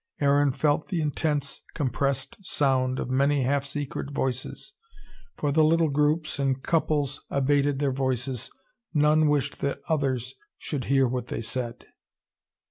Aaron felt the intense, compressed sound of many half secret voices. For the little groups and couples abated their voices, none wished that others should hear what they said.